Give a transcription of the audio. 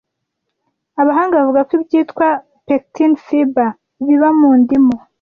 Abahanga bavuga ko ibyitwa “pectin fiber” biba mu ndimu,